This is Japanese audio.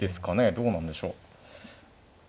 どうなんでしょう。